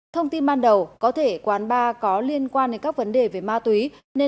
thông tin ban đầu có thể quán bar có liên quan đến các vấn đề về ma túy